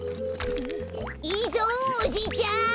いいぞおじいちゃん。